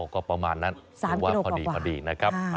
ก็ประมาณนั้นพอดีนะครับ